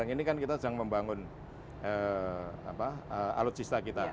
jadi kita sedang membangun alutsista kita